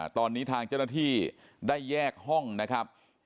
ตอนนี้ทางเจ้าหน้าที่ได้แยกห้องนะครับ